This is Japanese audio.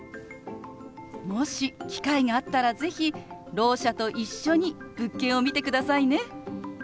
もし機会があったら是非ろう者と一緒に物件を見てくださいね。